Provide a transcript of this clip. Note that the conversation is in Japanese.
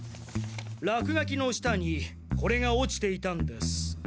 らくがきの下にこれが落ちていたんです。